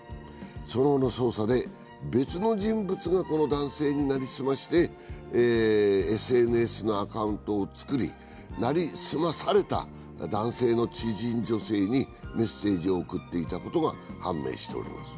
その後の捜査で別の人物がこの男性になりすましてＳＮＳのアカウントを作り成り済まされた男性の知人女性にメッセージを送っていたことが判明しております。